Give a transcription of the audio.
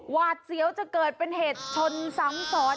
หวาดเสียวจะเกิดเป็นเหตุชนซ้ำซ้อน